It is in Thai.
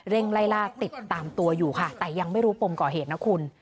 ไล่ล่าติดตามตัวอยู่ค่ะแต่ยังไม่รู้ปมก่อเหตุนะคุณ